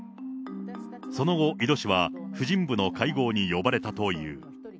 その後、井戸氏は婦人部の会合に呼ばれたという。